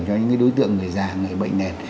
cho những đối tượng người già người bệnh nền